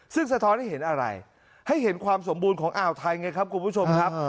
ซึ่งสะท้อนให้เห็นอะไรให้เห็นความสมบูรณ์ของอ่าวไทยไงครับคุณผู้ชมครับ